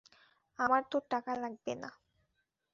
আমার তোর টাকা লাগবে না।